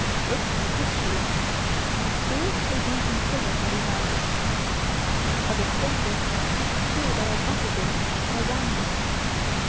It's a cube. There is a deep incision all around it. Of its faces, two that are opposite are rounded.